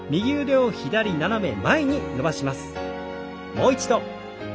もう一度。